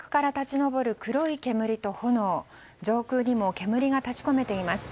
上空にも煙が立ち込めています。